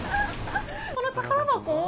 この宝箱を。